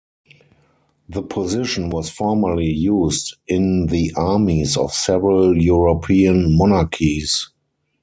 The position was formerly used in the armies of several European monarchies.